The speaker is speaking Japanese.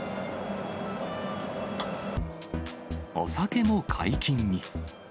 お酒も解禁に。